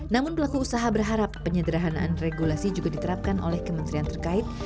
namun pelaku usaha berharap penyederhanaan regulasi juga diterapkan oleh kementerian terkait